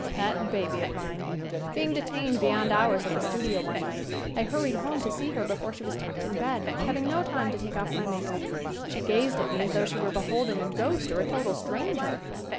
That baby of mine! Being detained beyond hours at the studio one night I hurried home to see her before she was tucked in bed, having no time to take off my make up. She gazed at me as though she were beholding a ghost or a total stranger!